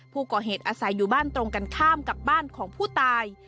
ผู้ก่อเหตุจะอาศัยอยู่บ้านตรงเกิดข้ามลงขอบาลของผู้ตาย